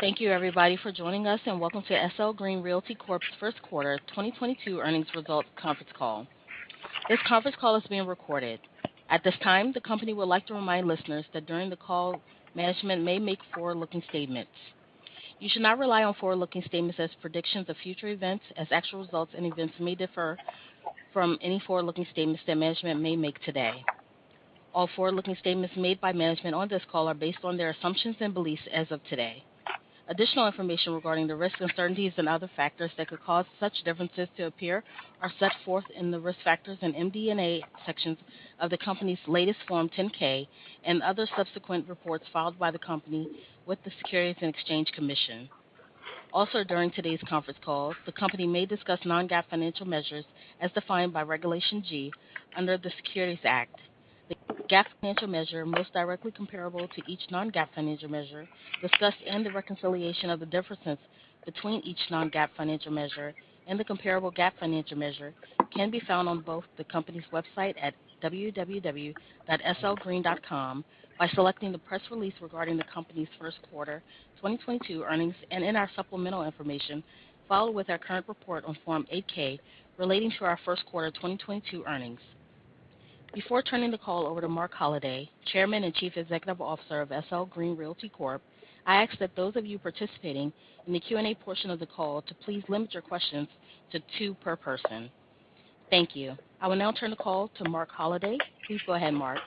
Thank you everybody for joining us and welcome to SL Green Realty Corp's First Quarter 2022 Earnings Result Conference Call. This conference call is being recorded. At this time, the company would like to remind listeners that during the call, management may make forward-looking statements. You should not rely on forward-looking statements as predictions of future events as actual results and events may differ from any forward-looking statements that management may make today. All forward-looking statements made by management on this call are based on their assumptions and beliefs as of today. Additional information regarding the risks, uncertainties and other factors that could cause such differences to appear are set forth in the Risk Factors and MD&A sections of the company's latest Form 10-K and other subsequent reports filed by the company with the Securities and Exchange Commission. During today's conference call, the company may discuss non-GAAP financial measures as defined by Regulation G under the Securities Exchange Act. The GAAP financial measure most directly comparable to each non-GAAP financial measure discussed and the reconciliation of the differences between each non-GAAP financial measure and the comparable GAAP financial measure can be found on both the company's website at www.slgreen.com by selecting the press release regarding the company's first quarter 2022 earnings and in our supplemental information, followed by our current report on Form 8-K relating to our first quarter 2022 earnings. Before turning the call over to Marc Holliday, Chairman and Chief Executive Officer of SL Green Realty Corp., I ask that those of you participating in the Q&A portion of the call to please limit your questions to two per person. Thank you. I will now turn the call to Marc Holliday. Please go ahead, Marc.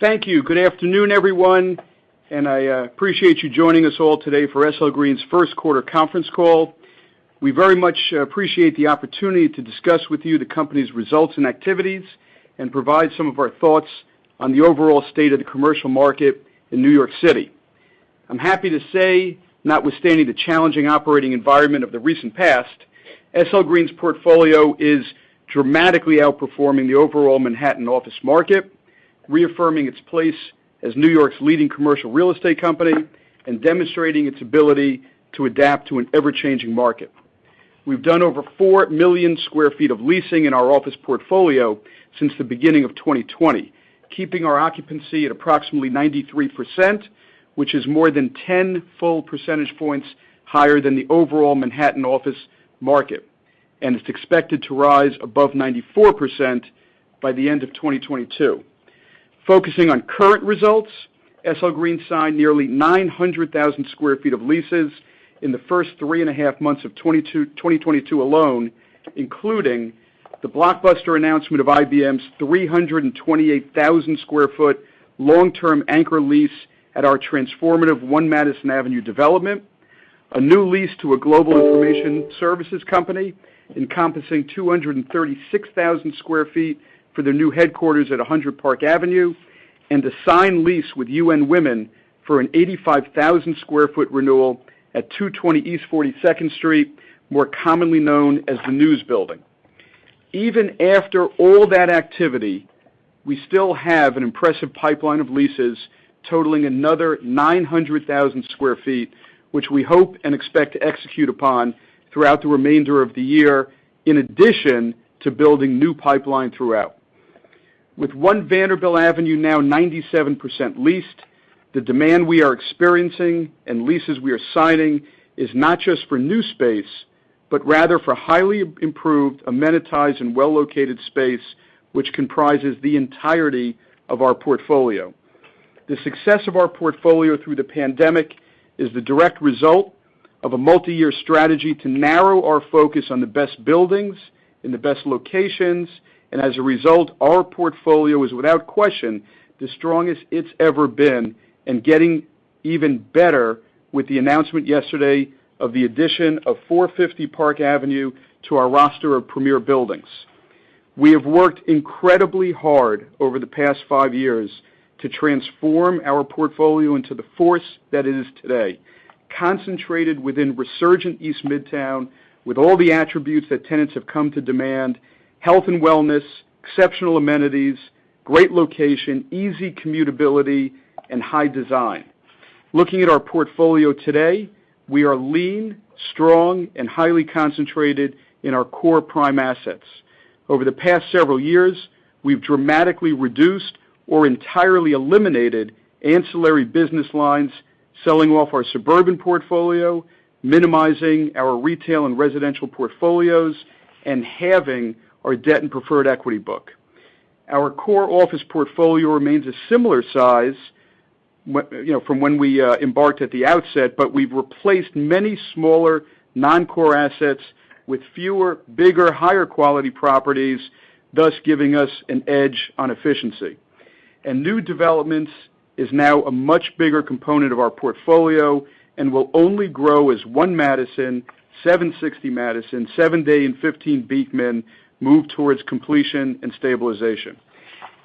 Thank you. Good afternoon, everyone, and I appreciate you joining us all today for SL Green's first quarter conference call. We very much appreciate the opportunity to discuss with you the company's results and activities and provide some of our thoughts on the overall state of the commercial market in New York City. I'm happy to say, notwithstanding the challenging operating environment of the recent past, SL Green's portfolio is dramatically outperforming the overall Manhattan office market, reaffirming its place as New York's leading commercial real estate company and demonstrating its ability to adapt to an ever-changing market. We've done over 4 million sq ft of leasing in our office portfolio since the beginning of 2020, keeping our occupancy at approximately 93%, which is more than 10 full percentage points higher than the overall Manhattan office market. It's expected to rise above 94% by the end of 2022. Focusing on current results, SL Green signed nearly 900,000 sq ft of leases in the first three and a half months of 2022 alone, including the blockbuster announcement of IBM's 328,000 sq ft long-term anchor lease at our transformative One Madison Avenue development, a new lease to a global information services company encompassing 236,000 sq ft for their new headquarters at 100 Park Avenue, and a signed lease with UN Women for an 85,000 sq ft renewal at 220 East 42nd Street, more commonly known as the News Building. Even after all that activity, we still have an impressive pipeline of leases totaling another 900,000 sq ft, which we hope and expect to execute upon throughout the remainder of the year, in addition to building new pipeline throughout. With One Vanderbilt Avenue now 97% leased, the demand we are experiencing and leases we are signing is not just for new space, but rather for highly improved, amenitized and well-located space, which comprises the entirety of our portfolio. The success of our portfolio through the pandemic is the direct result of a multi-year strategy to narrow our focus on the best buildings in the best locations. As a result, our portfolio is without question the strongest it's ever been and getting even better with the announcement yesterday of the addition of 450 Park Avenue to our roster of premier buildings. We have worked incredibly hard over the past five years to transform our portfolio into the force that it is today, concentrated within resurgent East Midtown, with all the attributes that tenants have come to demand, health and wellness, exceptional amenities, great location, easy commutability, and high design. Looking at our portfolio today, we are lean, strong, and highly concentrated in our core prime assets. Over the past several years, we've dramatically reduced or entirely eliminated ancillary business lines, selling off our suburban portfolio, minimizing our retail and residential portfolios, and halving our debt and preferred equity book. Our core office portfolio remains a similar size, you know, from when we embarked at the outset, but we've replaced many smaller non-core assets with fewer, bigger, higher quality properties, thus giving us an edge on efficiency. New developments is now a much bigger component of our portfolio and will only grow as One Madison, 760 Madison, 7 Dey, and 15 Beekman move towards completion and stabilization.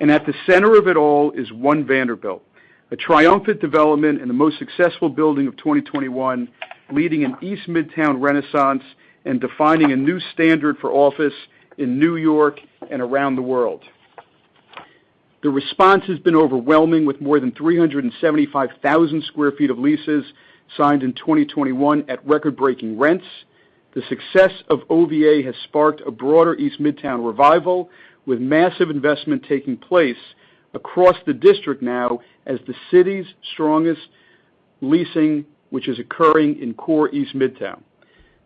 At the center of it all is One Vanderbilt, a triumphant development and the most successful building of 2021, leading an East Midtown renaissance and defining a new standard for office in New York and around the world. The response has been overwhelming, with more than 375,000 sq ft of leases signed in 2021 at record-breaking rents. The success of OVA has sparked a broader East Midtown revival, with massive investment taking place across the district now as the city's strongest leasing, which is occurring in core East Midtown.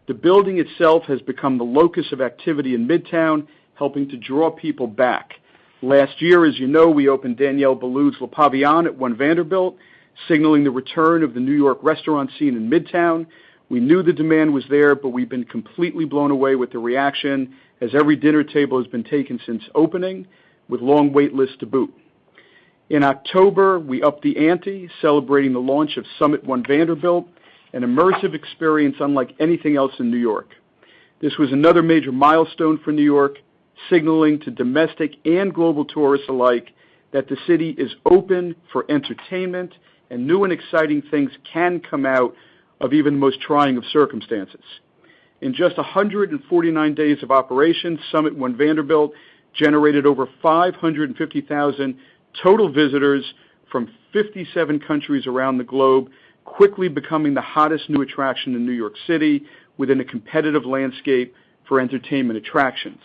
The building itself has become the locus of activity in Midtown, helping to draw people back. Last year, as you know, we opened Daniel Boulud's Le Pavillon at One Vanderbilt, signaling the return of the New York restaurant scene in Midtown. We knew the demand was there, but we've been completely blown away with the reaction as every dinner table has been taken since opening, with long wait lists to boot. In October, we upped the ante, celebrating the launch of SUMMIT One Vanderbilt, an immersive experience unlike anything else in New York. This was another major milestone for New York, signaling to domestic and global tourists alike that the city is open for entertainment and new and exciting things can come out of even the most trying of circumstances. In just 149 days of operation, SUMMIT One Vanderbilt generated over 550,000 total visitors from 57 countries around the globe, quickly becoming the hottest new attraction in New York City within a competitive landscape for entertainment attractions.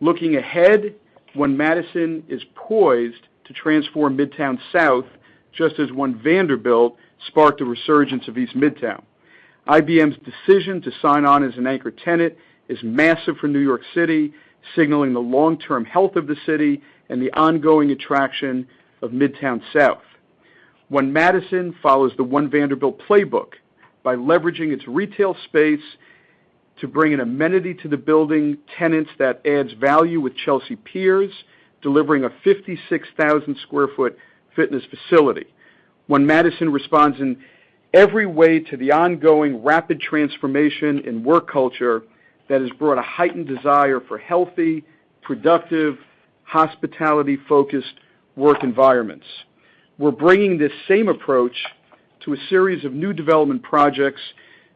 Looking ahead, One Madison is poised to transform Midtown South, just as One Vanderbilt sparked a resurgence of East Midtown. IBM's decision to sign on as an anchor tenant is massive for New York City, signaling the long-term health of the city and the ongoing attraction of Midtown South. One Madison follows the One Vanderbilt playbook by leveraging its retail space to bring an amenity to the building tenants that adds value with Chelsea Piers, delivering a 56,000 sq ft fitness facility. One Madison responds in every way to the ongoing rapid transformation in work culture that has brought a heightened desire for healthy, productive, hospitality-focused work environments. We're bringing this same approach to a series of new development projects,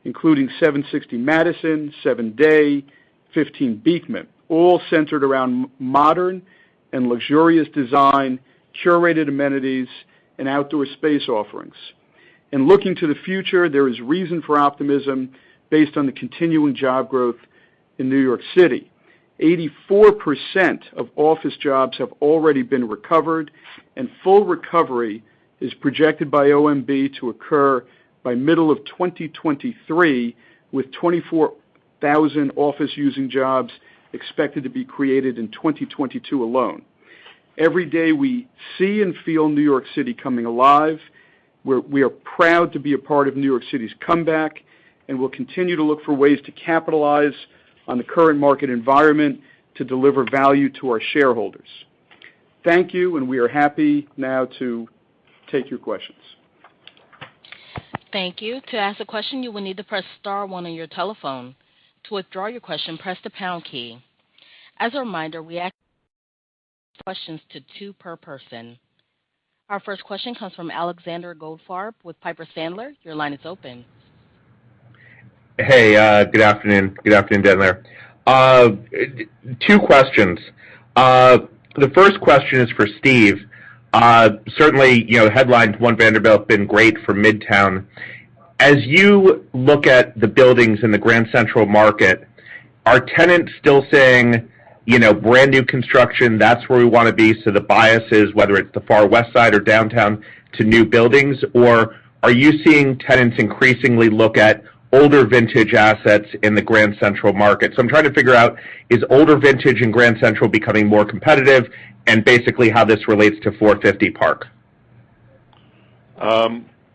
including 760 Madison, 7 Dey, 15 Beekman, all centered around modern and luxurious design, curated amenities, and outdoor space offerings. Looking to the future, there is reason for optimism based on the continuing job growth in New York City. 84% of office jobs have already been recovered, and full recovery is projected by OMB to occur by middle of 2023, with 24,000 office-using jobs expected to be created in 2022 alone. Every day, we see and feel New York City coming alive. We are proud to be a part of New York City's comeback, and we'll continue to look for ways to capitalize on the current market environment to deliver value to our shareholders. Thank you, and we are happy now to take your questions. Thank you. To ask a question, you will need to press star one on your telephone. To withdraw your question, press the pound key. As a reminder, we limit questions to two per person. Our first question comes from Alexander Goldfarb with Piper Sandler. Your line is open. Hey, good afternoon. Good afternoon, gentlemen. Two questions. The first question is for Steve. Certainly, you know, headlines One Vanderbilt have been great for Midtown. As you look at the buildings in the Grand Central Market, are tenants still saying, you know, brand new construction, that's where we want to be, so the bias is whether it's the Far West Side or downtown to new buildings? Or are you seeing tenants increasingly look at older vintage assets in the Grand Central Market? I'm trying to figure out, is older vintage in Grand Central becoming more competitive and basically how this relates to 450 Park?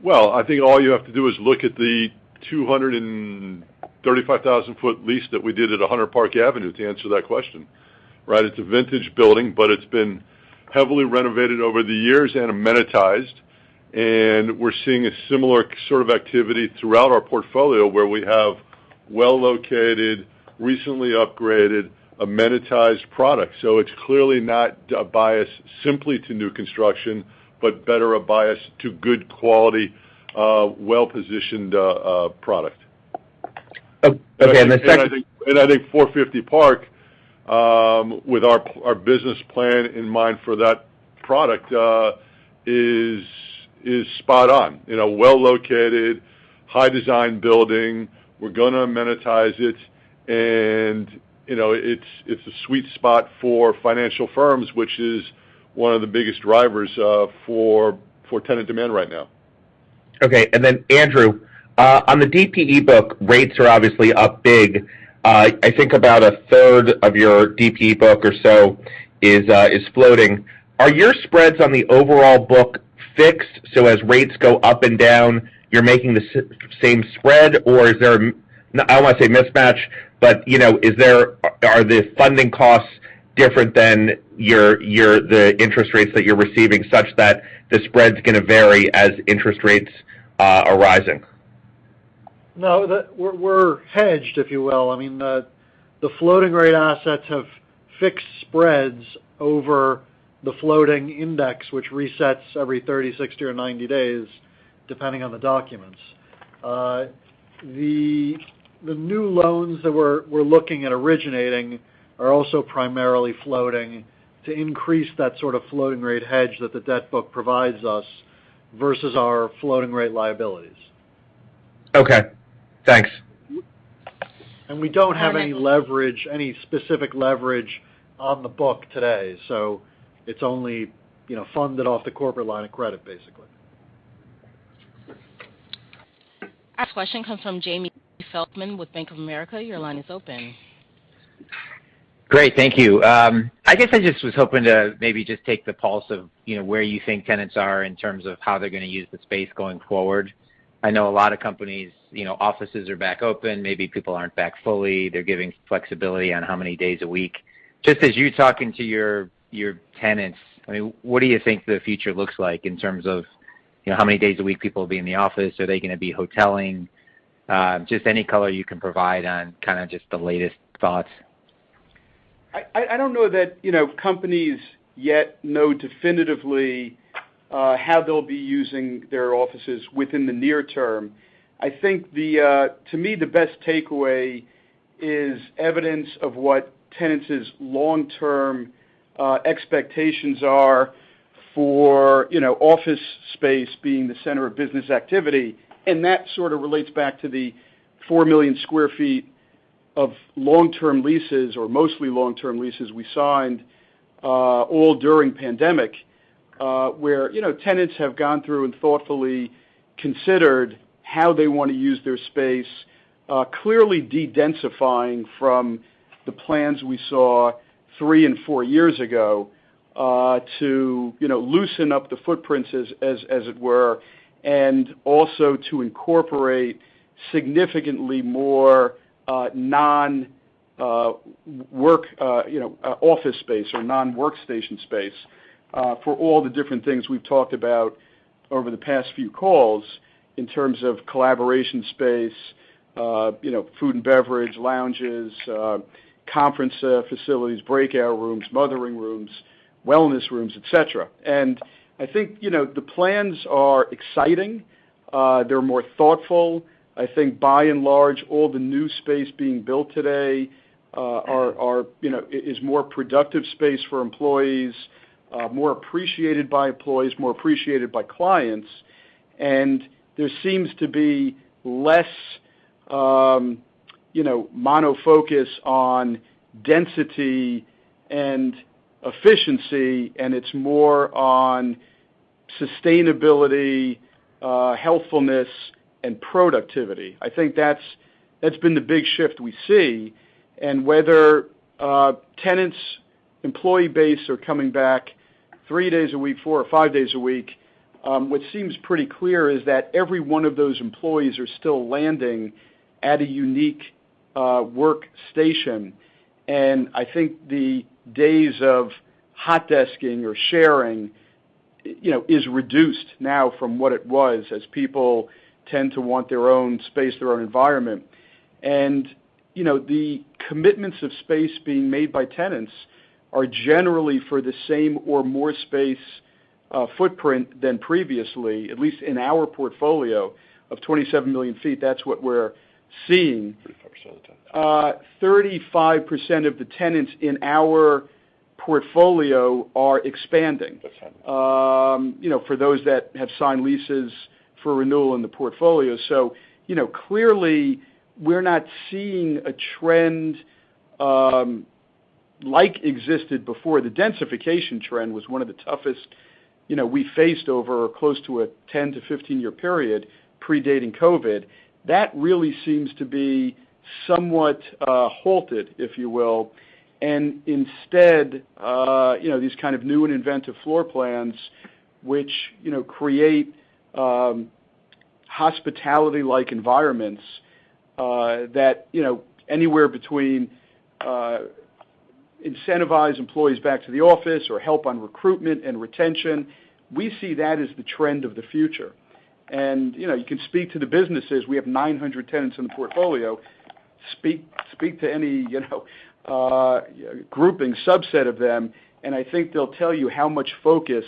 Well, I think all you have to do is look at the 235,000 sq ft lease that we did at 100 Park Avenue to answer that question, right? It's a vintage building, but it's been heavily renovated over the years and amenitized. We're seeing a similar sort of activity throughout our portfolio where we have well-located, recently upgraded, amenitized product. It's clearly not a bias simply to new construction, but rather a bias to good quality, well-positioned product. Okay. The second. I think 450 Park, with our business plan in mind for that product, is spot on, you know. Well-located, high design building. We're gonna amenitize it. You know, it's a sweet spot for financial firms, which is one of the biggest drivers for tenant demand right now. Okay. Andrew, on the DPE book, rates are obviously up big. I think about a third of your DPE book or so is floating. Are your spreads on the overall book fixed, so as rates go up and down, you're making the same spread? Or, I don't want to say mismatch, but, you know, are the funding costs different than the interest rates that you're receiving such that the spread's gonna vary as interest rates are rising? No. We're hedged, if you will. I mean, the floating rate assets have fixed spreads over the floating index, which resets every 30, 60, or 90 days, depending on the documents. The new loans that we're looking at originating are also primarily floating to increase that sort of floating rate hedge that the debt book provides us versus our floating rate liabilities. Okay. Thanks. We don't have any leverage, any specific leverage on the book today, so it's only, you know, funded off the corporate line of credit, basically. Our question comes from Jamie Feldman with Bank of America. Your line is open. Great. Thank you. I guess I just was hoping to maybe just take the pulse of, you know, where you think tenants are in terms of how they're gonna use the space going forward. I know a lot of companies, you know, offices are back open, maybe people aren't back fully, they're giving flexibility on how many days a week. Just as you're talking to your tenants, I mean, what do you think the future looks like in terms of, you know, how many days a week people will be in the office? Are they gonna be hoteling? Just any color you can provide on kinda just the latest thoughts. I don't know that, you know, companies yet know definitively how they'll be using their offices within the near term. I think to me, the best takeaway is evidence of what tenants' long-term expectations are for, you know, office space being the center of business activity. That sort of relates back to the 4 million sq ft of long-term leases, or mostly long-term leases we signed all during pandemic, where, you know, tenants have gone through and thoughtfully considered how they wanna use their space, clearly de-densifying from the plans we saw three and four years ago, to, you know, loosen up the footprints as it were, and also to incorporate significantly more non-work office space or non-workstation space for all the different things we've talked about over the past few calls in terms of collaboration space, you know, food and beverage, lounges, conference facilities, breakout rooms, mothering rooms, wellness rooms, et cetera. I think, you know, the plans are exciting. They're more thoughtful. I think by and large, all the new space being built today, you know, is more productive space for employees, more appreciated by employees, more appreciated by clients. There seems to be less, you know, mono focus on density and efficiency, and it's more on sustainability, healthfulness, and productivity. I think that's been the big shift we see. Whether tenants' employee base are coming back three days a week, four or five days a week, what seems pretty clear is that every one of those employees are still landing at a unique workstation. I think the days of hot desking or sharing, you know, is reduced now from what it was, as people tend to want their own space, their own environment. You know, the commitments of space being made by tenants are generally for the same or more space footprint than previously, at least in our portfolio of 27 million sq ft. That's what we're seeing. 35% of the tenants in our portfolio are expanding. You know, for those that have signed leases for renewal in the portfolio. You know, clearly, we're not seeing a trend like existed before. The densification trend was one of the toughest, you know, we faced over close to a 10 to 15-year period predating COVID. That really seems to be somewhat halted, if you will. Instead, you know, these kind of new and inventive floor plans, which, you know, create hospitality-like environments, that, you know, anywhere between incentivize employees back to the office or help on recruitment and retention, we see that as the trend of the future. You know, you can speak to the businesses. We have 900 tenants in the portfolio. Speak to any, you know, grouping, subset of them, and I think they'll tell you how much focus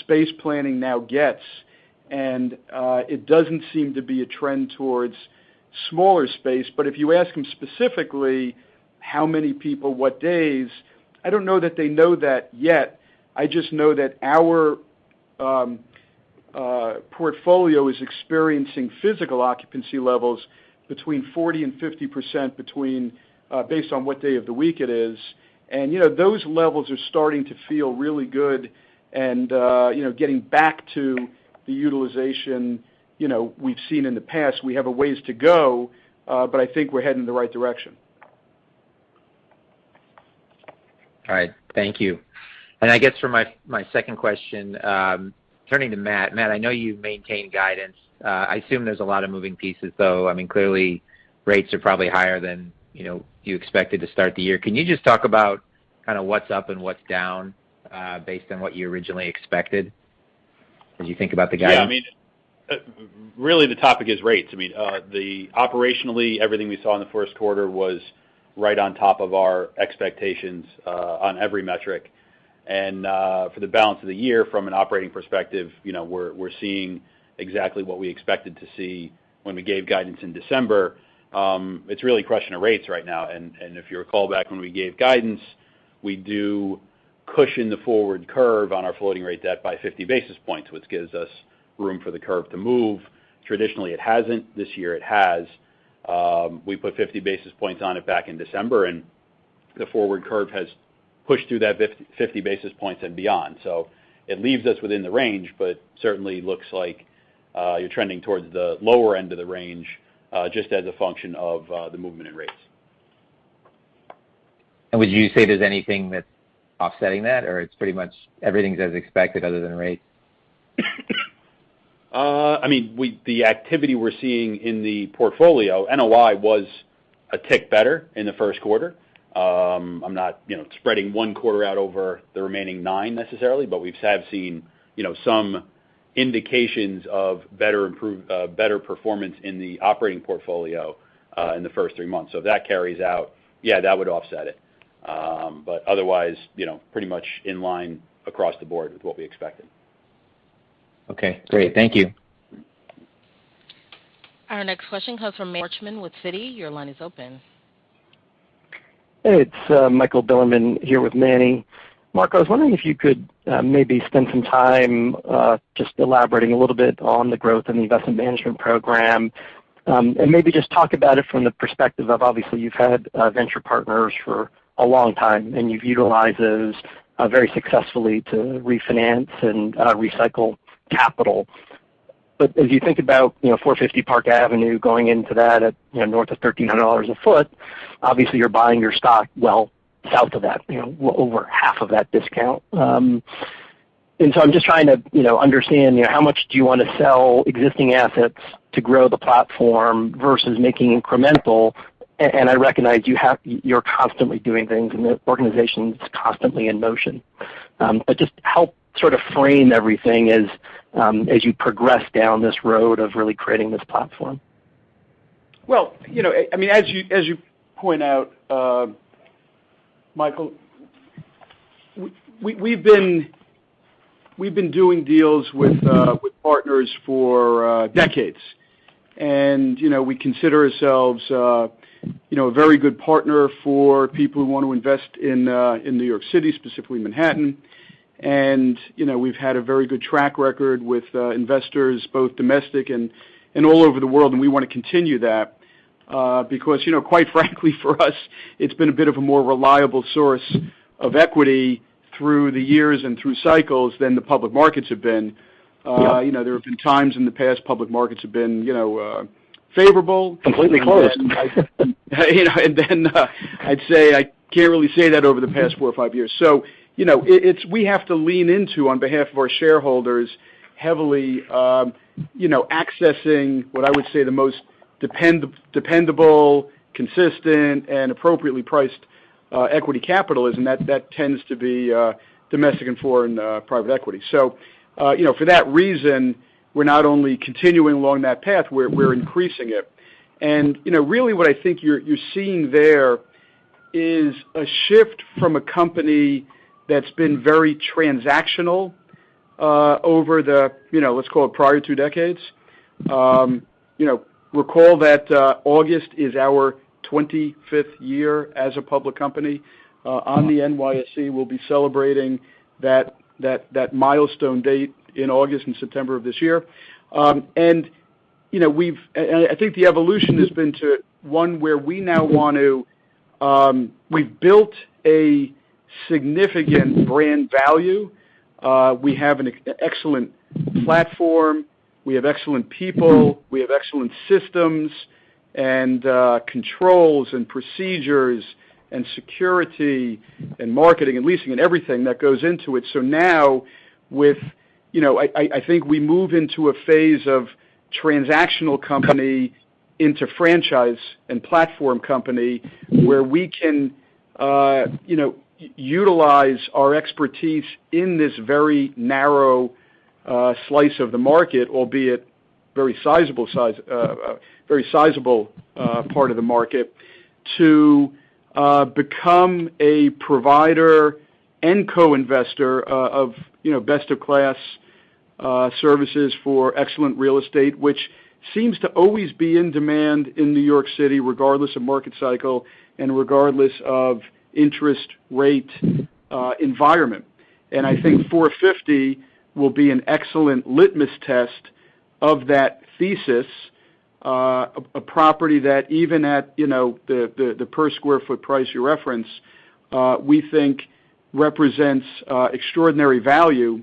space planning now gets. It doesn't seem to be a trend towards smaller space. But if you ask them specifically how many people, what days, I don't know that they know that yet. I just know that our portfolio is experiencing physical occupancy levels between 40% and 50% between based on what day of the week it is. You know, those levels are starting to feel really good and, you know, getting back to the utilization, you know, we've seen in the past. We have a ways to go, but I think we're heading in the right direction. All right. Thank you. I guess for my second question, turning to Matt. Matt, I know you've maintained guidance. I assume there's a lot of moving parts, though. I mean, clearly rates are probably higher than, you know, you expected to start the year. Can you just talk about kinda what's up and what's down, based on what you originally expected as you think about the guidance? Yeah. I mean, really the topic is rates. I mean, operationally, everything we saw in the first quarter was right on top of our expectations, on every metric. For the balance of the year from an operating perspective, you know, we're seeing exactly what we expected to see when we gave guidance in December. It's really a question of rates right now. If you recall back when we gave guidance We do cushion the forward curve on our floating rate debt by 50 basis points, which gives us room for the curve to move. Traditionally, it hasn't. This year, it has. We put 50 basis points on it back in December, and the forward curve has pushed through that 50 basis points and beyond. It leaves us within the range, but certainly looks like you're trending towards the lower end of the range just as a function of the movement in rates. Would you say there's anything that's offsetting that or it's pretty much everything's as expected other than rates? I mean, the activity we're seeing in the portfolio, NOI was a tick better in the first quarter. I'm not, you know, spreading one quarter out over the remaining nine necessarily, but we've seen, you know, some indications of better performance in the operating portfolio, in the first three months. If that carries out, yeah, that would offset it. Otherwise, you know, pretty much in line across the board with what we expected. Okay, great. Thank you. Our next question comes from Michael Bilerman with Citi. Your line is open. Hey, it's Michael Bilerman here with Manny. Marc, I was wondering if you could maybe spend some time just elaborating a little bit on the growth in the investment management program. Maybe just talk about it from the perspective of obviously, you've had venture partners for a long time, and you've utilized those very successfully to refinance and recycle capital. As you think about, you know, 450 Park Avenue going into that at, you know, north of $1,300 a foot, obviously you're buying your stock well south of that, you know, over half of that discount. I'm just trying to, you know, understand, you know, how much do you wanna sell existing assets to grow the platform versus making incremental. I recognize you're constantly doing things, and the organization's constantly in motion. Just help sort of frame everything as you progress down this road of really creating this platform. Well, you know, I mean, as you point out, Michael, we've been doing deals with partners for decades. You know, we consider ourselves, you know, a very good partner for people who wanna invest in New York City, specifically Manhattan. You know, we've had a very good track record with investors, both domestic and all over the world, and we wanna continue that, because, you know, quite frankly, for us, it's been a bit of a more reliable source of equity through the years and through cycles than the public markets have been. You know, there have been times in the past public markets have been, you know, favorable. Completely closed. You know, I'd say I can't really say that over the past four or five years. You know, it's we have to lean into, on behalf of our shareholders, heavily, you know, accessing what I would say the most dependable, consistent, and appropriately priced equity capital is, and that tends to be domestic and foreign private equity. You know, for that reason, we're not only continuing along that path, we're increasing it. You know, really what I think you're seeing there is a shift from a company that's been very transactional over the, you know, let's call it prior two decades. You know, recall that August is our 25th year as a public company on the NYSE. We'll be celebrating that milestone date in August and September of this year. I think the evolution has been to one where we now want to. We've built a significant brand value. We have an excellent platform. We have excellent people. We have excellent systems and controls and procedures and security and marketing and leasing and everything that goes into it. Now with You know, I think we move into a phase of transactional company into franchise and platform company where we can, you know, utilize our expertise in this very narrow slice of the market, albeit very sizable part of the market, to become a provider and co-investor of, you know, best-in-class services for excellent real estate, which seems to always be in demand in New York City, regardless of market cycle and regardless of interest rate environment. I think 450 will be an excellent litmus test of that thesis, a property that even at, you know, the per sq ft price you reference, we think represents extraordinary value,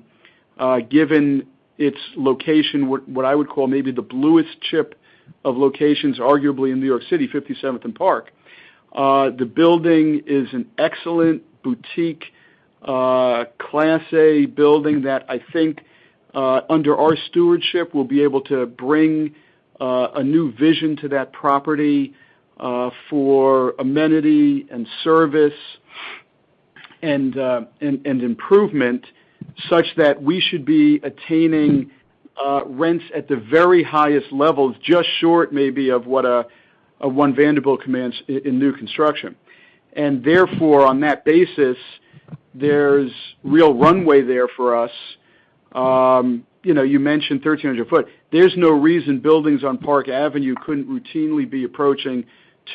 given its location, what I would call maybe the bluest chip of locations arguably in New York City, 57th and Park. The building is an excellent boutique, class A building that I think, under our stewardship, we'll be able to bring a new vision to that property for amenity and service and improvement such that we should be attaining rents at the very highest levels, just short maybe of what One Vanderbilt commands in new construction. Therefore, on that basis, there's real runway there for us. You know, you mentioned $1,300 a foot. There's no reason buildings on Park Avenue couldn't routinely be approaching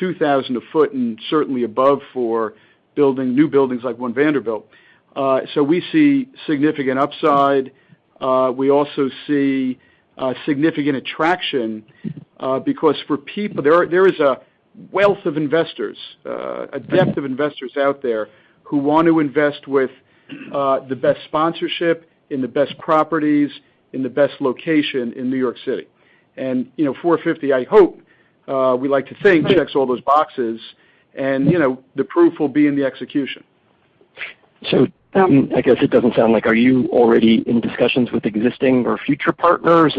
$2,000 a foot and certainly above for building new buildings like One Vanderbilt. So we see significant upside. We also see significant attraction because for people there is a wealth of investors, a depth of investors out there who want to invest with the best sponsorship in the best properties, in the best location in New York City. You know, 450, I hope, we like to think checks all those boxes, and you know, the proof will be in the execution. I guess it doesn't sound like you are already in discussions with existing or future partners?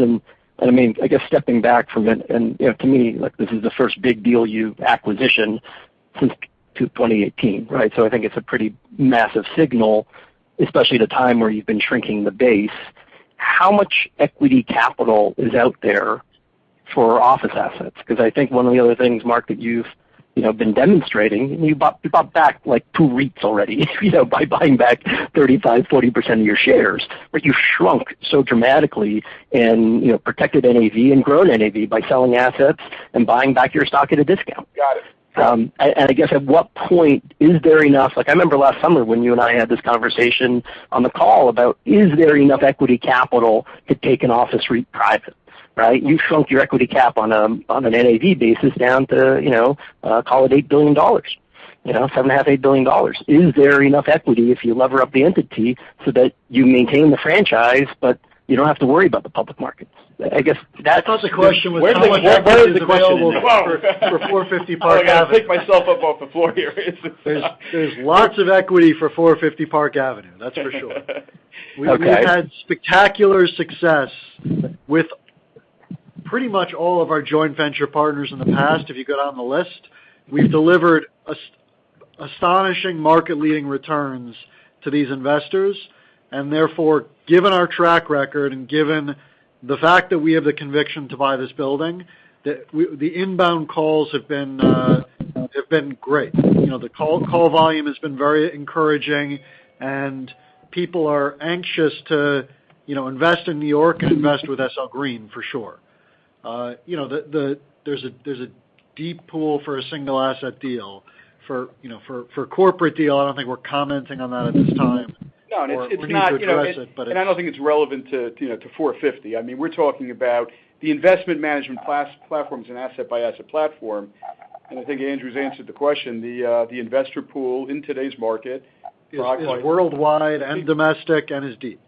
I mean, I guess stepping back from it, you know, to me like this is the first big deal you've acquired since 2018, right? I think it's a pretty massive signal, especially at a time where you've been shrinking the base. How much equity capital is out there for office assets? 'Cause I think one of the other things, Marc, that you've, you know, been demonstrating, you bought back like two REITs already, you know, by buying back 35%-40% of your shares. But you shrunk so dramatically and, you know, protected NAV and grown NAV by selling assets and buying back your stock at a discount. Got it. I guess at what point is there enough. Like I remember last summer when you and I had this conversation on the call about is there enough equity capital to take an office REIT private, right? You've shrunk your equity cap on an NAV basis down to, you know, call it $8 billion, you know, $7.5 billion-$8 billion. Is there enough equity if you lever up the entity so that you maintain the franchise, but you don't have to worry about the public markets? I guess that's I thought the question was how much capital is available. Where is the question for 450 Park Avenue? I gotta pick myself up off the floor here. There's lots of equity for 450 Park Avenue, that's for sure. Okay. We've had spectacular success with pretty much all of our joint venture partners in the past, if you go down the list. We've delivered astonishing market-leading returns to these investors. Therefore, given our track record and given the fact that we have the conviction to buy this building, the inbound calls have been great. You know, the call volume has been very encouraging, and people are anxious to, you know, invest in New York and invest with SL Green for sure. You know, there's a deep pool for a single asset deal. You know, for corporate deal, I don't think we're commenting on that at this time. No, it's not, you know. We need to address it, but it's. I don't think it's relevant to, you know, to 450. I mean, we're talking about the investment management platforms and asset by asset platform. I think Andrew's answered the question. The investor pool in today's market Is worldwide and domestic and is deep.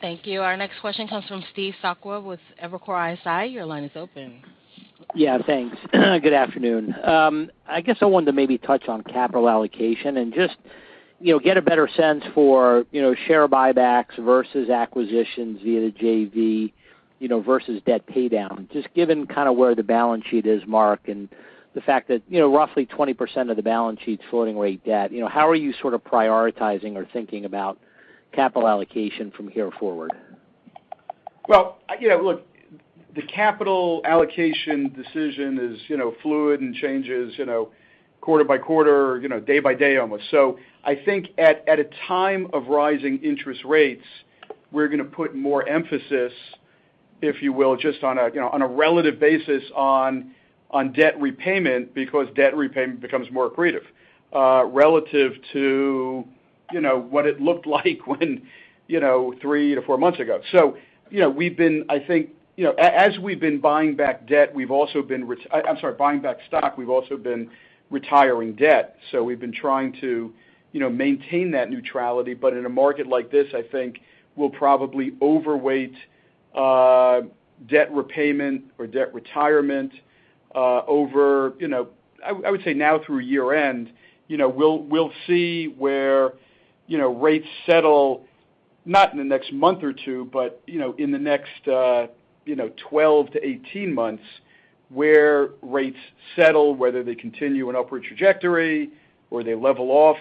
Thank you. Our next question comes from Steve Sakwa with Evercore ISI. Your line is open. Yeah, thanks. Good afternoon. I guess I wanted to maybe touch on capital allocation and just, you know, get a better sense for, you know, share buybacks versus acquisitions via JV, you know, versus debt paydown. Just given kinda where the balance sheet is, Marc, and the fact that, you know, roughly 20% of the balance sheet's floating rate debt. You know, how are you sort of prioritizing or thinking about capital allocation from here forward? Well, you know, look, the capital allocation decision is, you know, fluid and changes, you know, quarter by quarter, you know, day by day almost. I think at a time of rising interest rates, we're gonna put more emphasis, if you will, just on a relative basis on debt repayment because debt repayment becomes more accretive relative to what it looked like when three to four months ago. So, you know, we've been buying back stock, we've also been retiring debt. So we've been trying to, you know, maintain that neutrality, but in a market like this I think we'll probably overweight debt repayment or debt retirement over, you know. I would say now through year end, you know, we'll see where, you know, rates settle, not in the next month or two, but you know, in the next you know, 12 to 18 months, where rates settle, whether they continue an upward trajectory or they level off,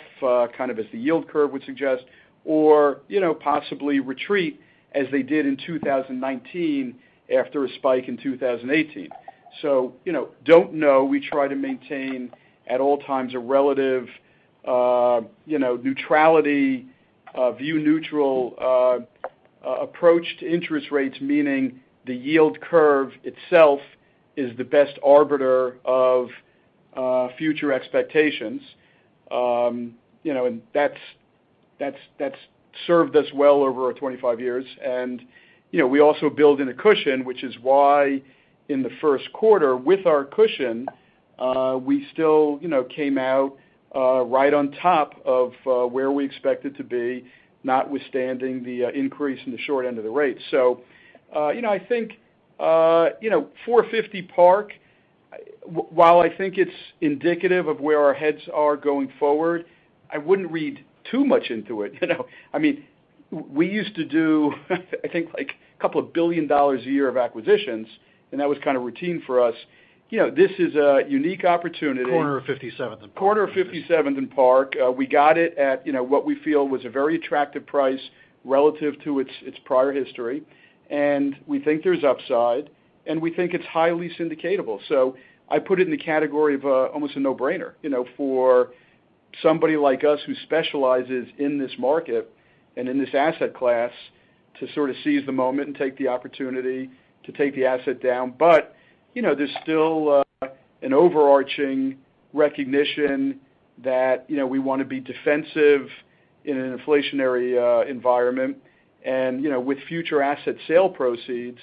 kind of as the yield curve would suggest, or you know, possibly retreat as they did in 2019 after a spike in 2018. Don't know. We try to maintain at all times a relative neutrality view neutral approach to interest rates, meaning the yield curve itself is the best arbiter of future expectations. That's served us well over our 25 years. You know, we also build in a cushion, which is why in the first quarter with our cushion, we still, you know, came out right on top of where we expected to be, notwithstanding the increase in the short end of the rate. You know, I think, you know, 450 Park, while I think it's indicative of where our rents are going forward, I wouldn't read too much into it, you know. I mean, we used to do, I think like a couple of billion dollars a year of acquisitions, and that was kinda routine for us. You know, this is a unique opportunity. Corner of 57th and Park. Corner of 57th and Park. We got it at, you know, what we feel was a very attractive price relative to its prior history. We think there's upside, and we think it's highly syndicatable. I put it in the category of almost a no-brainer, you know, for somebody like us who specializes in this market and in this asset class to sort of seize the moment and take the opportunity to take the asset down. You know, there's still an overarching recognition that, you know, we wanna be defensive in an inflationary environment. You know, with future asset sale proceeds,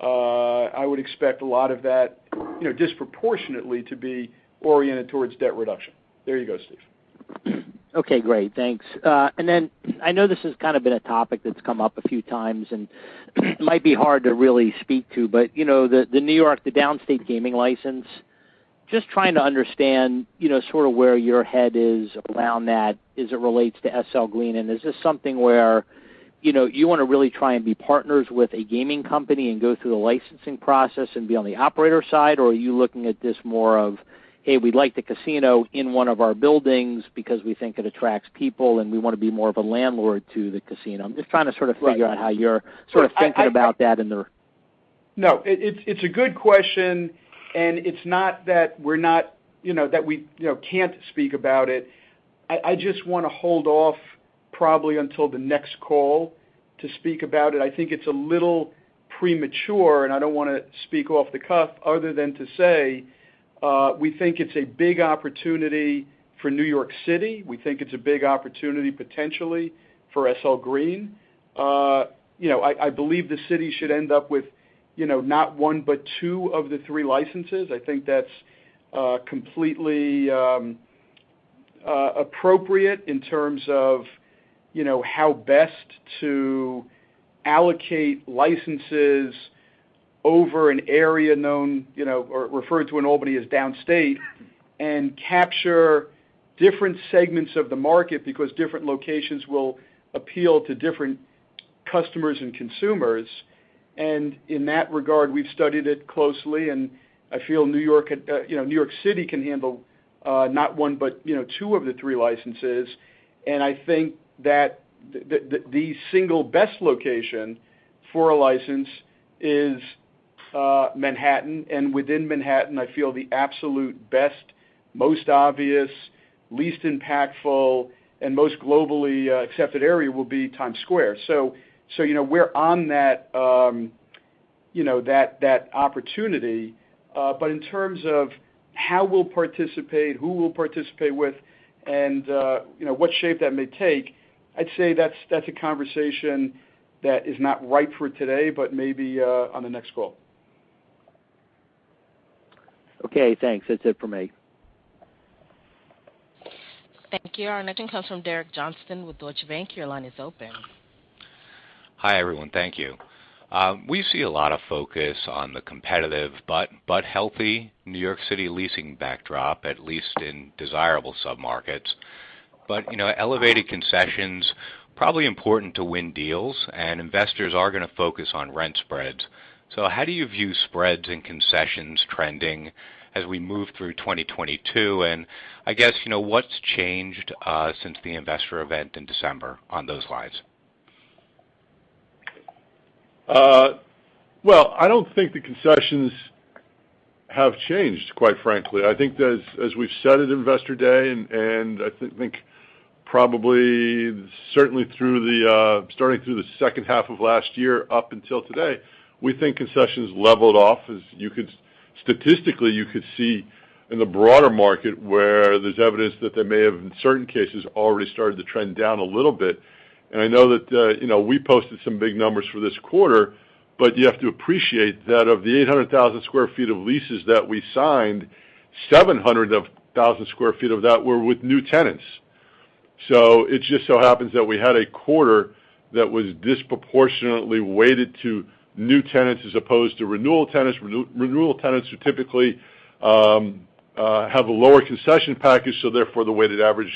I would expect a lot of that, you know, disproportionately to be oriented towards debt reduction. There you go, Steve. Okay, great. Thanks. I know this has kind of been a topic that's come up a few times, and it might be hard to really speak to, but, you know, the New York, the Downstate gaming license, just trying to understand, you know, sort of where your head is around that as it relates to SL Green. Is this something where, you know, you wanna really try and be partners with a gaming company and go through the licensing process and be on the operator side? Are you looking at this more of, "Hey, we'd like the casino in one of our buildings because we think it attracts people, and we wanna be more of a landlord to the casino." I'm just trying to sort of figure out how you're sort of thinking about that in the- No, it's a good question, and it's not that we, you know, can't speak about it. I just wanna hold off probably until the next call to speak about it. I think it's a little premature, and I don't wanna speak off the cuff other than to say, we think it's a big opportunity for New York City. We think it's a big opportunity potentially for SL Green. You know, I believe the city should end up with, you know, not one, but two of the three licenses. I think that's completely appropriate in terms of, you know, how best to allocate licenses over an area known, you know, or referred to in Albany as Downstate, and capture different segments of the market because different locations will appeal to different customers and consumers. In that regard, we've studied it closely, and I feel New York, you know, New York City can handle, not one, but you know, two of the three licenses. I think that the single best location for a license is, Manhattan, and within Manhattan, I feel the absolute best, most obvious, least impactful, and most globally, accepted area will be Times Square. So, you know, we're on that, you know, that opportunity. In terms of how we'll participate, who we'll participate with, and, you know, what shape that may take, I'd say that's a conversation that is not right for today, but maybe, on the next call. Okay, thanks. That's it for me. Thank you. Our next comes from Derek Johnston with Deutsche Bank. Your line is open. Hi, everyone. Thank you. We see a lot of focus on the competitive but healthy New York City leasing backdrop, at least in desirable sub-markets. You know, elevated concessions probably important to win deals, and investors are gonna focus on rent spreads. How do you view spreads and concessions trending as we move through 2022? I guess, you know, what's changed since the investor event in December on those slides? Well, I don't think the concessions have changed, quite frankly. I think as we've said at Investor Day, and I think probably certainly through the starting through the second half of last year up until today, we think concessions leveled off as statistically you could see in the broader market where there's evidence that they may have, in certain cases, already started to trend down a little bit. I know that, you know, we posted some big numbers for this quarter, but you have to appreciate that of the 800,000 sq ft of leases that we signed, 700,000 sq ft of that were with new tenants. It just so happens that we had a quarter that was disproportionately weighted to new tenants as opposed to renewal tenants. Renewal tenants who typically have a lower concession package, so therefore, the weighted average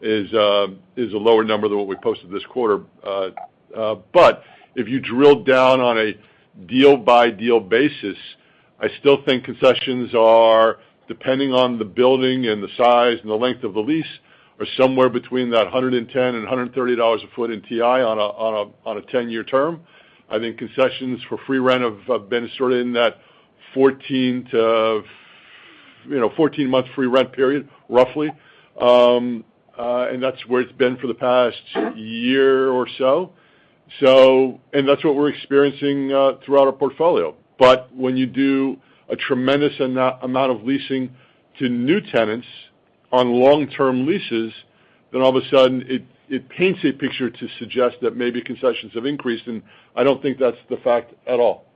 is a lower number than what we posted this quarter. But if you drill down on a deal-by-deal basis, I still think concessions are, depending on the building and the size and the length of the lease, somewhere between $110 and $130 a foot in TI on a 10-year term. I think concessions for free rent have been sort of in that 14 to, you know, 14-month free rent period, roughly. And that's where it's been for the past year or so. That's what we're experiencing throughout our portfolio, when you do a tremendous amount of leasing to new tenants on long-term leases, then all of a sudden it paints a picture to suggest that maybe concessions have increased, and I don't think that's the fact at all.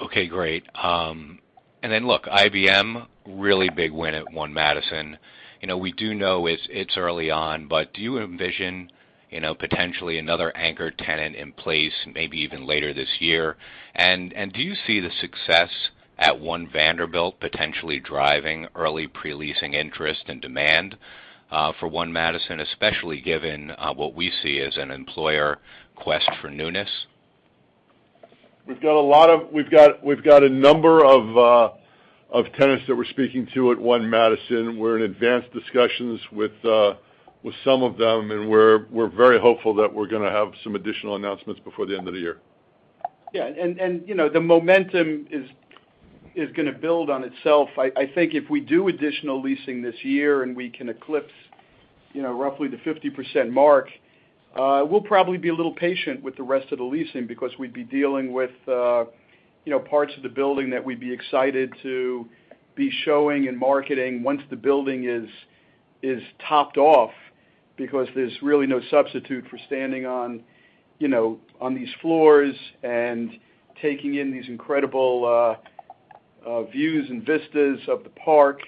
Okay, great. Look, IBM, really big win at One Madison. You know, we do know it's early on, but do you envision, you know, potentially another anchor tenant in place, maybe even later this year? And do you see the success at One Vanderbilt potentially driving early pre-leasing interest and demand for One Madison, especially given what we see as an employer quest for newness? We've got a number of tenants that we're speaking to at One Madison. We're in advanced discussions with some of them, and we're very hopeful that we're gonna have some additional announcements before the end of the year. Yeah. You know, the momentum is gonna build on itself. I think if we do additional leasing this year, and we can eclipse, you know, roughly the 50% mark, we'll probably be a little patient with the rest of the leasing because we'd be dealing with, you know, parts of the building that we'd be excited to be showing and marketing once the building is topped off because there's really no substitute for standing on, you know, on these floors and taking in these incredible views and vistas of the park,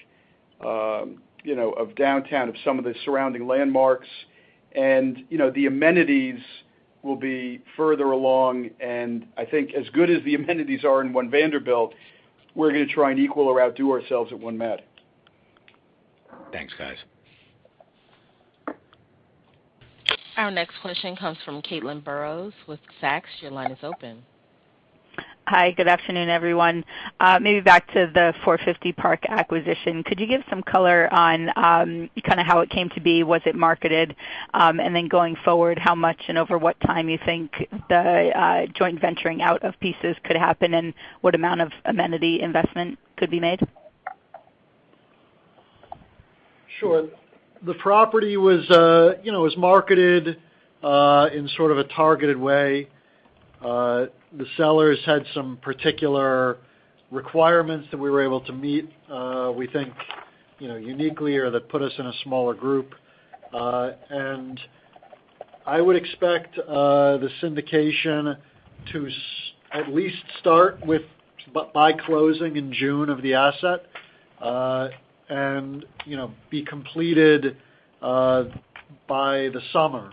you know, of downtown, of some of the surrounding landmarks. The amenities will be further along, and I think as good as the amenities are in One Vanderbilt, we're gonna try and equal or outdo ourselves at One Madison. Thanks, guys. Our next question comes from Caitlin Burrows with Sachs. Your line is open. Hi. Good afternoon, everyone. Maybe back to the 450 Park acquisition. Could you give some color on kinda how it came to be? Was it marketed? Going forward, how much and over what time you think the joint venturing out of pieces could happen, and what amount of amenity investment could be made? Sure. The property was, you know, marketed in sort of a targeted way. The sellers had some particular requirements that we were able to meet, we think, you know, uniquely or that put us in a smaller group. I would expect the syndication to at least start by closing in June of the asset, and, you know, be completed by the summer.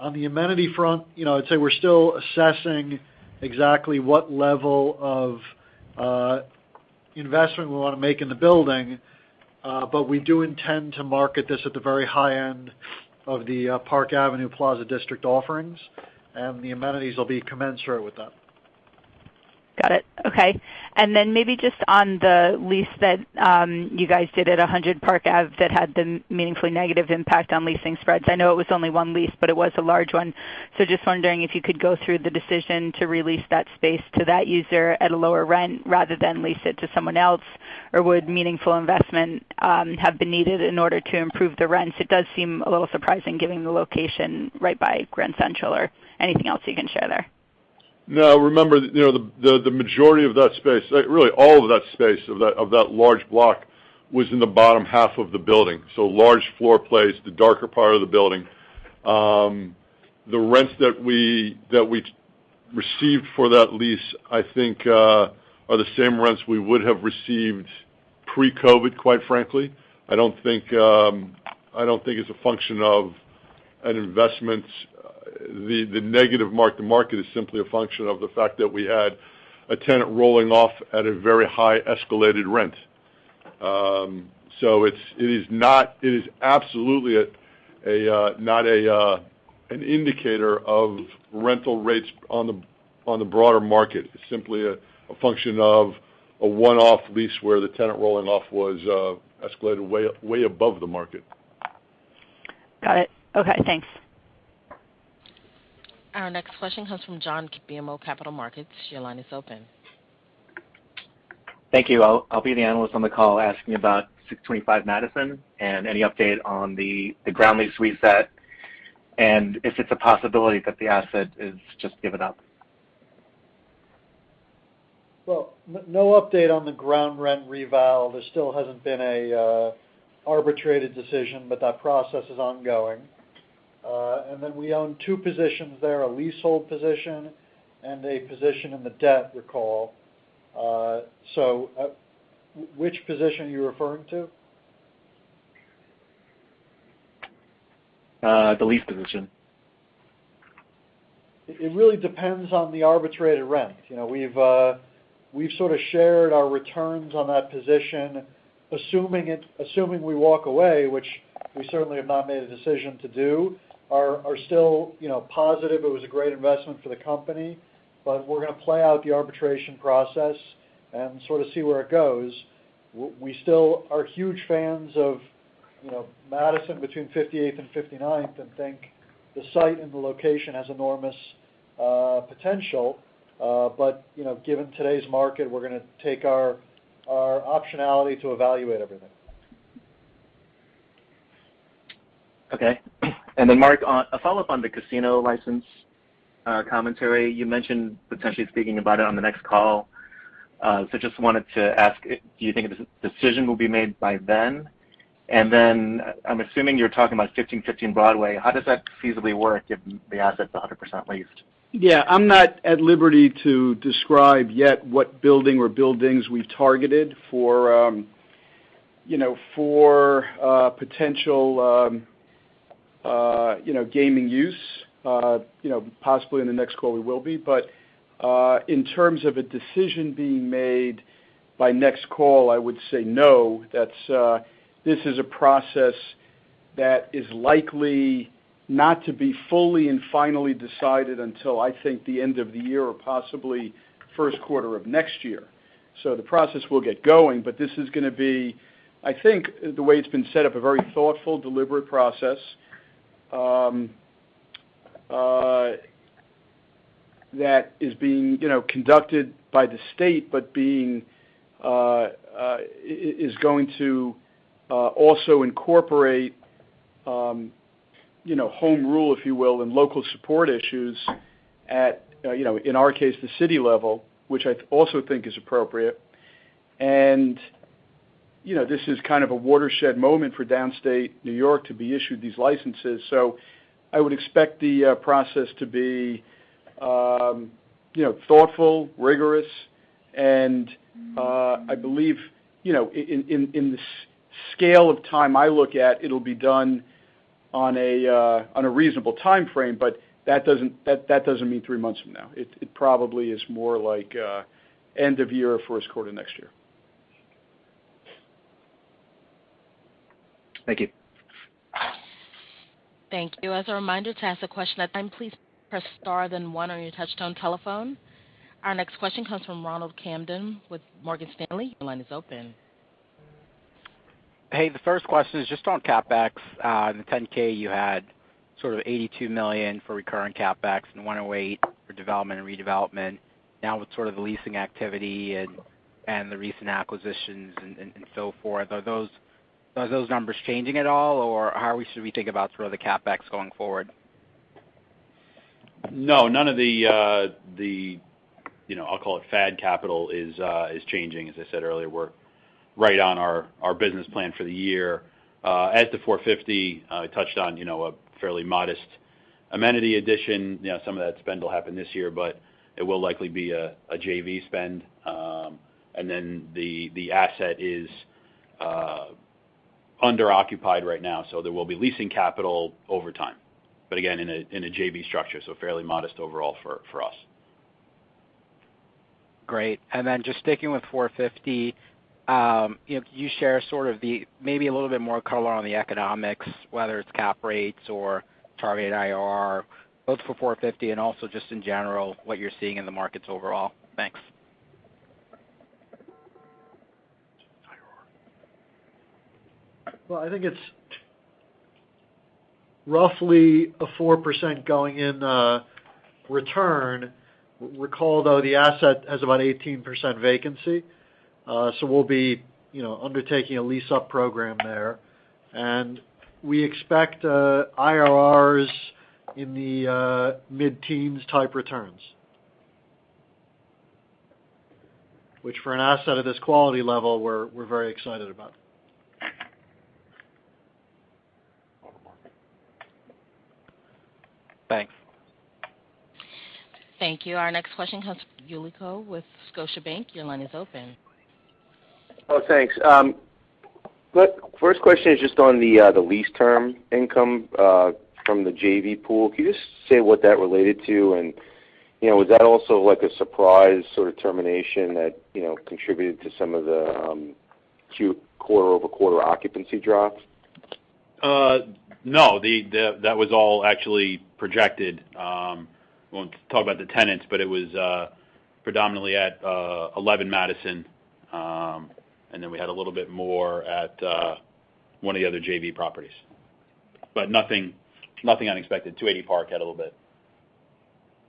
On the amenity front, you know, I'd say we're still assessing exactly what level of investment we wanna make in the building, but we do intend to market this at the very high end of the Park Avenue Plaza district offerings, and the amenities will be commensurate with that. Got it. Okay. Maybe just on the lease that you guys did at 100 Park Avenue that had the meaningfully negative impact on leasing spreads. I know it was only one lease, but it was a large one. Just wondering if you could go through the decision to re-lease that space to that user at a lower rent rather than lease it to someone else, or would meaningful investment have been needed in order to improve the rents. It does seem a little surprising given the location right by Grand Central or anything else you can share there. No. Remember, the majority of that space of that large block was in the bottom half of the building, large floor plates, the darker part of the building. The rents that we received for that lease, I think, are the same rents we would have received pre-COVID, quite frankly. I don't think it's a function of an investment. The negative mark to market is simply a function of the fact that we had a tenant rolling off at a very high escalated rent. It is absolutely not an indicator of rental rates on the broader market. It's simply a function of a one-off lease where the tenant rolling off was escalated way above the market. Got it. Okay, thanks. Our next question comes from John, BMO Capital Markets. Your line is open. Thank you. I'll be the analyst on the call asking about 625 Madison and any update on the ground lease reset. If it's a possibility that the asset is just given up. Well, no update on the ground rent reval. There still hasn't been a arbitrated decision, but that process is ongoing. We own two positions there, a leasehold position and a position in the debt recall. Which position are you referring to? The lease position. It really depends on the arbitrated rent. You know, we've sort of shared our returns on that position, assuming we walk away, which we certainly have not made a decision to do, are still, you know, positive. It was a great investment for the company. We're gonna play out the arbitration process and sort of see where it goes. We still are huge fans of, you know, Madison between 58th and 59th, and think the site and the location has enormous potential. You know, given today's market, we're gonna take our optionality to evaluate everything. Okay. Marc Holliday, on a follow-up on the casino license commentary, you mentioned potentially speaking about it on the next call. Just wanted to ask, do you think a decision will be made by then? I'm assuming you're talking about 1515 Broadway. How does that feasibly work if the asset's 100% leased? Yeah. I'm not at liberty to describe yet what building or buildings we've targeted for, you know, for potential, you know, gaming use. You know, possibly in the next call we will be. In terms of a decision being made by next call, I would say no. That's. This is a process that is likely not to be fully and finally decided until I think the end of the year or possibly first quarter of next year. The process will get going, but this is gonna be, I think, the way it's been set up, a very thoughtful, deliberate process that is being, you know, conducted by the state, but being is going to also incorporate, you know, home rule, if you will, and local support issues at, you know, in our case, the city level, which I also think is appropriate. You know, this is kind of a watershed moment for Downstate New York to be issued these licenses. I would expect the process to be, you know, thoughtful, rigorous. I believe, you know, in the scale of time I look at, it'll be done on a reasonable timeframe, but that doesn't mean three months from now. It probably is more like end of year or first quarter next year. Thank you. Thank you. As a reminder, to ask a question at this time, please press star then one on your touchtone telephone. Our next question comes from Ronald Kamdem with Morgan Stanley. Your line is open. Hey, the first question is just on CapEx. In the 10-K, you had sort of $82 million for recurring CapEx and $108 million for development and redevelopment. Now with sort of the leasing activity and the recent acquisitions and so forth, are those numbers changing at all or how should we think about sort of the CapEx going forward? No, none of the, you know, I'll call it CapEx is changing. As I said earlier, we're right on our business plan for the year. As to 450, touched on, you know, a fairly modest amenity addition. You know, some of that spend will happen this year, but it will likely be a JV spend. And then the asset is under-occupied right now, so there will be leasing capital over time. But again, in a JV structure, so fairly modest overall for us. Great. Just sticking with 450, can you share sort of the, maybe a little bit more color on the economics, whether it's cap rates or target IRR, both for 450 and also just in general what you're seeing in the markets overall? Thanks. IRR. Well, I think it's roughly a 4% going in return. Recall though, the asset has about 18% vacancy, so we'll be, you know, undertaking a lease-up program there. We expect IRRs in the mid-teens type returns. Which for an asset of this quality level, we're very excited about it. Thanks. Thank you. Our next question comes from Nicholas Yulico with Scotiabank. Your line is open. Oh, thanks. Look, first question is just on the lease term income from the JV pool. Can you just say what that related to? You know, was that also like a surprise sort of termination that, you know, contributed to some of the quarter-over-quarter occupancy drops? No. That was all actually projected. I won't talk about the tenants, but it was predominantly at 11 Madison. And then we had a little bit more at one of the other JV properties. But nothing unexpected. 280 Park had a little bit.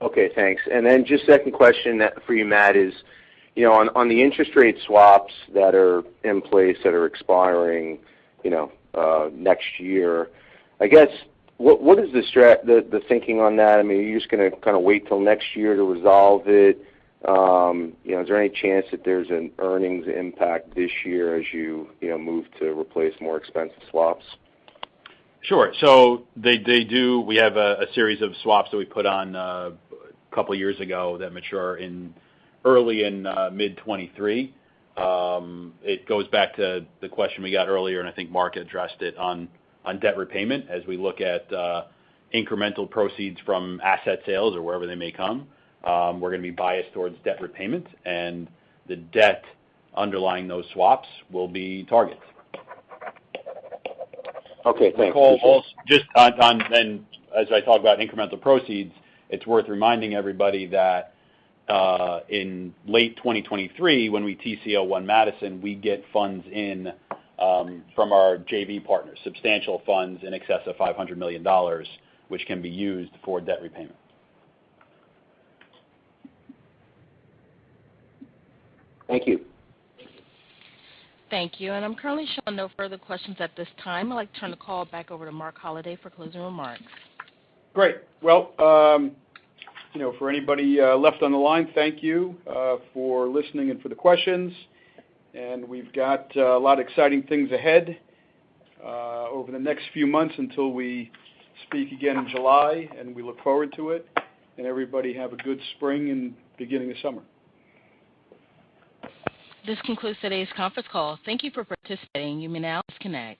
Okay, thanks. Just second question for you, Matt, is, you know, on the interest rate swaps that are in place that are expiring you know next year, I guess, what is the thinking on that? I mean, are you just gonna kinda wait till next year to resolve it? You know, is there any chance that there's an earnings impact this year as you know, move to replace more expensive swaps? We have a series of swaps that we put on a couple years ago that mature in early and mid-2023. It goes back to the question we got earlier, and I think Marc addressed it on debt repayment. As we look at incremental proceeds from asset sales or wherever they may come, we're gonna be biased towards debt repayments, and the debt underlying those swaps will be targets. Okay, thanks. As I talk about incremental proceeds, it's worth reminding everybody that in late 2023, when we TCO One Madison, we get funds in from our JV partners, substantial funds in excess of $500 million, which can be used for debt repayment. Thank you. Thank you. I'm currently showing no further questions at this time. I'd like to turn the call back over to Marc Holliday for closing remarks. Great. Well, you know, for anybody left on the line, thank you for listening and for the questions. We've got a lot of exciting things ahead over the next few months until we speak again in July, and we look forward to it. Everybody have a good spring and beginning of summer. This concludes today's conference call. Thank you for participating. You may now disconnect.